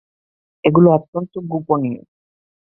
এগুলো অত্যন্ত গোপনীয়!